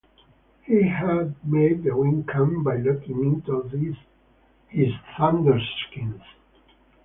He had made the wind come by looking into his thunder-skins.